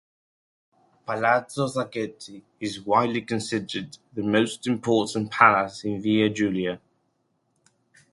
Palazzo Sacchetti is widely considered the most important palace in Via Giulia.